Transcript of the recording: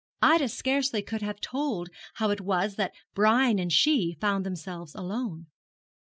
Ida scarcely could have told how it was that Brian and she found themselves alone.